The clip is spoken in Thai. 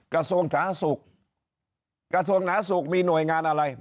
กระทรวงสาธารณสุขกระทรวงหนาสุขมีหน่วยงานอะไร